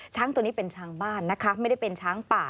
ช้างตัวนี้เป็นช้างบ้านนะคะไม่ได้เป็นช้างป่า